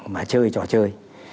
mà chơi trò chơi